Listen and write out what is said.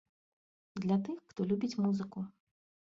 Для тых, хто любіць музыку.